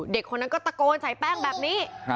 เด็กคนนั้นก็ตะโกนใส่แป้งแบบนี้